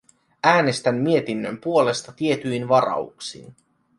Äänestän mietinnön puolesta tietyin varauksin.